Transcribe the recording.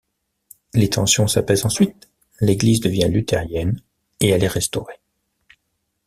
Les tensions s'apaisent ensuite, l'église devient luthérienne et elle est restaurée.